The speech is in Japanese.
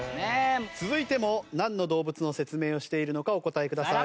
続いてもなんの動物の説明をしているのかお答えください。